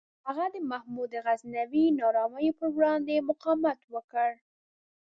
هغه د محمود غزنوي نارامیو پر وړاندې مقاومت وکړ.